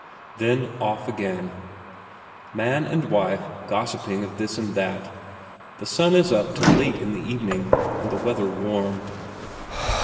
Then off again. Man and wife gossiping of this and that. The sun is up till late in the evening, and the weather warm.